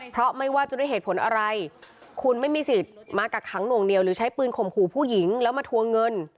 เพราะไม่ว่าจะด้วยเหตุผลอะไรคุณไม่มีสิทธิ์มากักขังหน่วงเหนียวหรือใช้ปืนข่มขู่ผู้หญิงแล้วมาทวงเงิน